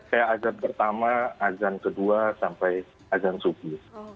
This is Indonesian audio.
kayak azan pertama azan kedua sampai azan subuh